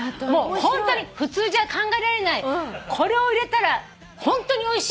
ホントに普通じゃ考えられないこれを入れたらホントにおいしいですってもの。